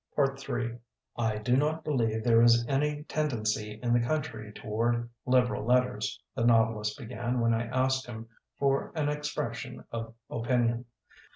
Ill "I do not believe there is any ten dency in the country toward liberal letters," the novelist began when I asked him for an expression of opinion.